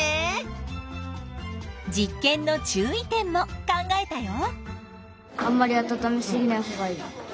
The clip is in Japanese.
実験の注意点も考えたよ。